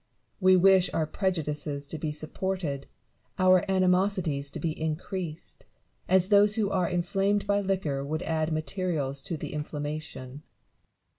We wish our prejudices to be supported, our animosities to be increased ; as those who are inflamed by liquor would add materials to the inflam mation. Newton.